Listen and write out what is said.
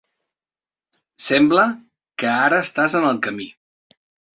Sembla que ara estàs en el camí.